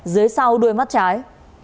dưới sau đuôi mắt trái